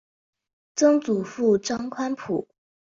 曾祖父张宽甫。